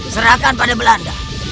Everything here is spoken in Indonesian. serahkan pada belanda